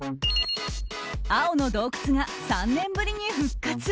青の洞窟が３年ぶりに復活。